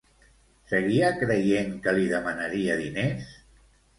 Seguia creient que li demanaria diners?